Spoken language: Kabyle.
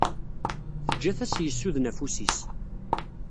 Teǧǧa-t ad as-yessuden afus-is.